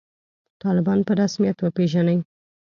طالبان په رسمیت وپېژنئ